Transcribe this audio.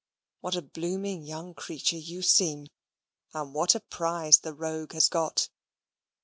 What a blooming young creature you seem, and what a prize the rogue has got!"